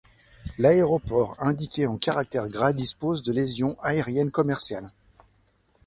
L'aéroport indiqué en caractères gras dispose de liaisons aériennes commerciales.